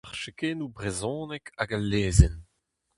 Ar chekennoù brezhonek hag al lezenn.